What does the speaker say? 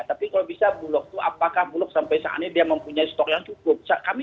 tapi kalau bisa bulog itu apakah bulog sampai saat ini dia mempunyai stok yang cukup